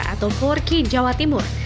atau forky jawa timur